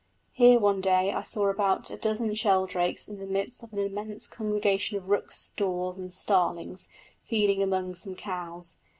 Here one day I saw about a dozen sheldrakes in the midst of an immense congregation of rooks, daws, and starlings feeding among some cows.